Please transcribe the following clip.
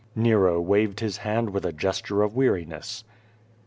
'' Nero waved his hand with a gesture of weariness.